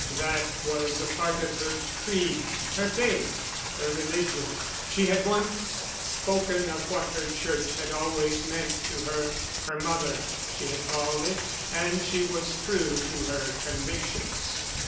That was a part of her creed, her faith, her religion. She had once spoken of what her Church had always meant to her—her Mother, she had called it,—and she was true to her convictions.